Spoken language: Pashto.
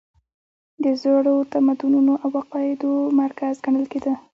د زړو تمدنونو او عقایدو مرکز ګڼل کېده.